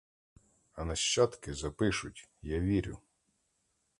А нащадки запишуть, я вірю.